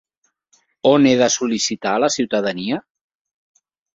On he de sol·licitar la ciutadania?